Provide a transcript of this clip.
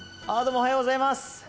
おはようございます。